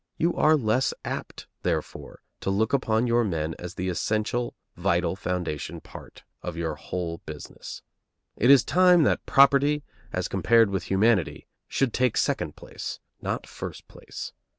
You are less apt, therefore, to look upon your men as the essential vital foundation part of your whole business. It is time that property, as compared with humanity, should take second place, not first place.